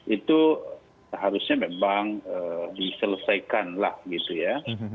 itu seharusnya memang diselesaikanlah gitu ya